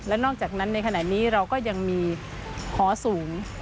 นอกจากนั้นในขณะนี้เราก็ยังมีหอสูง